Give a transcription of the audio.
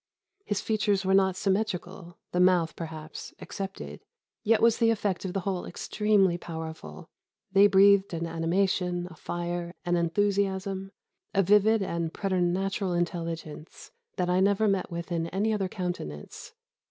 His features were not symmetrical (the mouth, perhaps, excepted), yet was the effect of the whole extremely powerful. They breathed an animation, a fire, an enthusiasm, a vivid and preternatural intelligence, that I never met with in any other countenance."